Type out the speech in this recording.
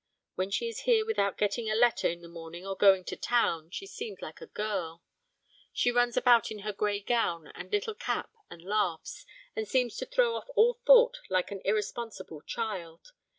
When she is here without getting a letter in the morning or going to town, she seems like a girl. She runs about in her grey gown and little cap and laughs, and seems to throw off all thought like an irresponsible child.